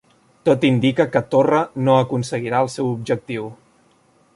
Tot indica que Torra no aconseguirà el seu objectiu